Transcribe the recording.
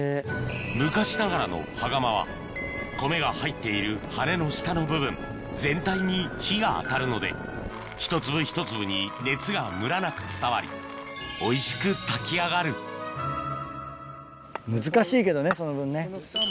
昔ながらの羽釜は米が入っている羽の下の部分全体に火が当たるので一粒一粒に熱がむらなく伝わりおいしく炊き上がる難しいけどねその分ね。